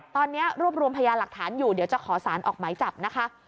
ตอนนี้รวบรวมพยานหลักฐานอยู่เดี๋ยวจะขอสารออกหมายจับนะคะ